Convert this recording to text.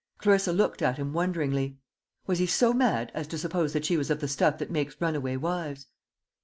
Clarissa looked at him wonderingly. Was he so mad as to suppose that she was of the stuff that makes runaway wives?